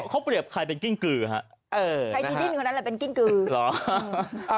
เค้าเปรียบใครเป็นกิ้งกลือฮะใครดีดินกว่านั้นแหละเป็นกิ้งกลือ